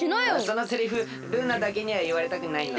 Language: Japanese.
そのセリフルーナだけにはいわれたくないの。